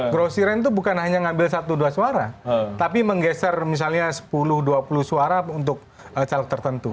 grosirnya itu bukan hanya ngambil satu dua suara tapi menggeser misalnya sepuluh dua puluh suara untuk caleg tertentu